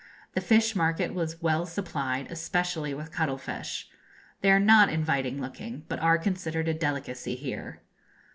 The fish market was well supplied, especially with cuttle fish. They are not inviting looking, but are considered a delicacy here.